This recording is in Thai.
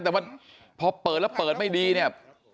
แต่ว่าพอเปิดแล้วเปิดไม่ดีเนี่ย